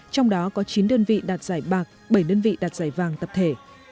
trong đó có chín đơn vị đạt giải bạc bảy đơn vị đạt giải vàng tập thể